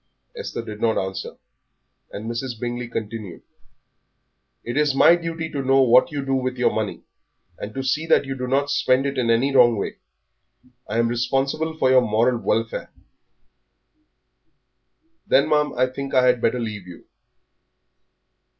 Esther did not answer, and Mrs. Bingley continued "It is my duty to know what you do with your money, and to see that you do not spend it in any wrong way. I am responsible for your moral welfare." "Then, ma'am, I think I had better leave you."